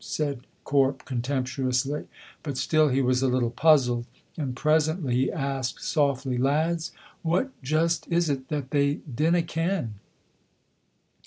said Corp, contemptuously, but still he was a little puzzled, and presently he asked softly: "Lads, what just is it that they dinna ken?"